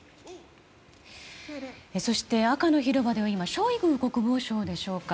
そして、赤の広場ではショイグ国防相でしょうか。